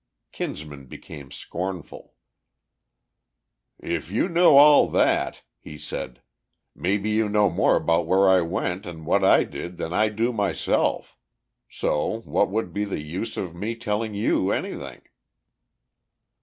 Kinsman became scornful. "If you know all that," he said, "maybe you know more about where I went and what I did than I do myself. So what would be the use of me telling you anything?"